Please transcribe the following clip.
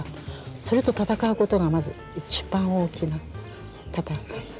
それと闘うことがまず、いちばん大きな闘い。